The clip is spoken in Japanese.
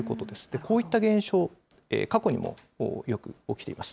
こういった現象、過去にもよく起きています。